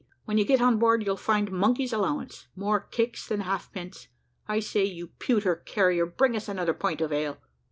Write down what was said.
"When you get on board, you'll find monkey's allowance more kicks than half pence. I say, you pewter carrier, bring us another pint of ale."